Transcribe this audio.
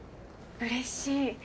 うれしい！